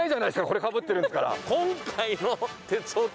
これかぶってるんですから。